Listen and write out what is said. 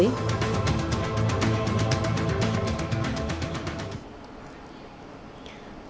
inf phiên bản mới